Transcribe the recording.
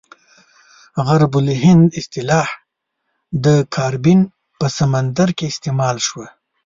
غرب الهند اصطلاح د کاربین په سمندرګي کې استعمال شوه.